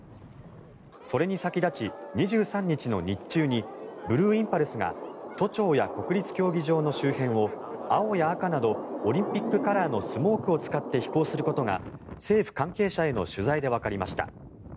それに先立ち２３日の日中にブルーインパルスが都庁や国立競技場の周辺を青や赤などオリンピックカラーのスモークを使って飛行することが政府関係者への取材でわかりました。